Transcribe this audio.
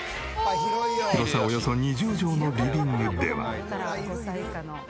広さおよそ２０畳のリビングでは。